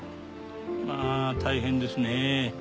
まあ大変ですね。